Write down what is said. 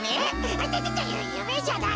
あいたたゆめじゃない。